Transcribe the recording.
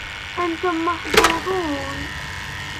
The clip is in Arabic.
أنتم محظوظون.